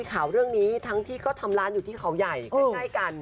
เอาแล้วไปฟังคำตอบหน่อยค่ะ